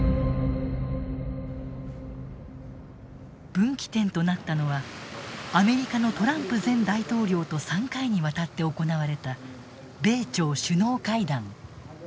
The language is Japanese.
分岐点となったのはアメリカのトランプ前大統領と３回にわたって行われた米朝首脳会談。